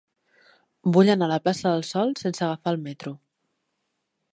Vull anar a la plaça del Sol sense agafar el metro.